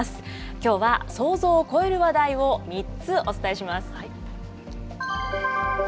きょうは想像を超える話題を３つお伝えします。